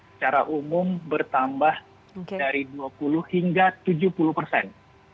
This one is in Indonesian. secara umum bertambah dari dua puluh hingga tujuh puluh persen